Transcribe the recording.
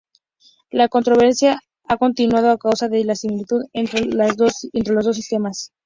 La controversia ha continuado a causa de la similitud entre los dos sistemas.